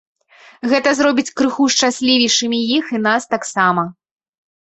Гэта зробіць крыху шчаслівейшымі іх і нас таксама.